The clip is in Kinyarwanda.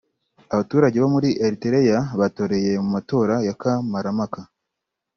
Abaturage bo muri Eritrea batoreye mu matora ya kamarampaka